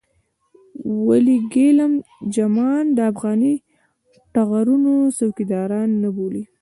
ولې ګېلم جمان د افغاني ټغرونو څوکيداران نه بولې.